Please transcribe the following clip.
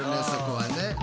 そこはね。